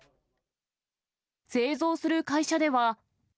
製造する会社では。